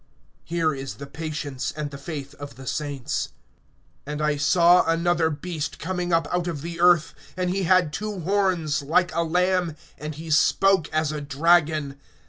Here is the patience and the faith of the saints. (11)And I saw another beast coming up out of the earth; and he had two horns like a lamb, and he spoke as a dragon.